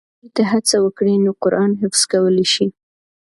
که چېرې ته هڅه وکړې نو قرآن حفظ کولی شې.